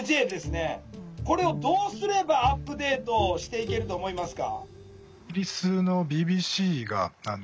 これをどうすればアップデートしていけると思いますか？